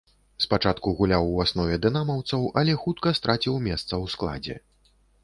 Спачатку гуляў у аснове дынамаўцаў, але хутка страціў месца ў складзе.